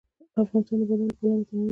افغانستان د بادام له پلوه متنوع دی.